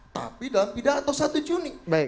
tapi dalam pidato satu juni